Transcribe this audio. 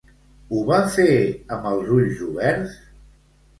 Ho va fer amb els ulls oberts?